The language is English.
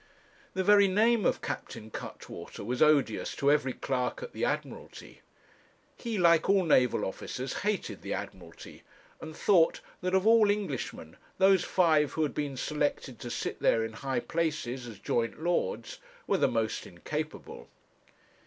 The very name of Captain Cuttwater was odious to every clerk at the Admiralty. He, like all naval officers, hated the Admiralty, and thought, that of all Englishmen, those five who had been selected to sit there in high places as joint lords were the most incapable.